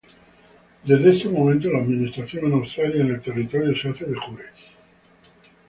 Desde este momento la administración de Australia en el territorio se hace de jure.